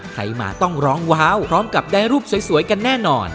ใครมาต้องร้องว้าวพร้อมกับได้รูปสวยกันแน่นอน